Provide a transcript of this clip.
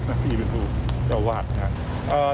พี่เป็นผู้เจ้าวาดนะครับ